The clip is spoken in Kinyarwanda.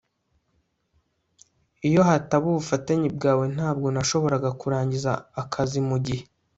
Iyo hataba ubufatanye bwawe ntabwo nashoboraga kurangiza akazi mugihe